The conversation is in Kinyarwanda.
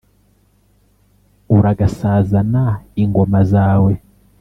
uragasazana ingoma zawe.